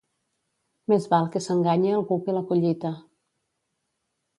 Més val que s'enganye algú que la collita.